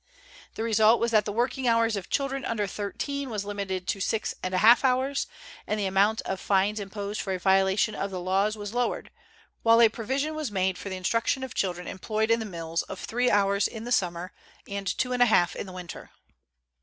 The result was that the working hours of children under thirteen was limited to six and a half hours, and the amount of fines imposed for a violation of the laws was lowered; while a provision was made for the instruction of children employed in the mills of three hours in summer, and two and a half in the winter.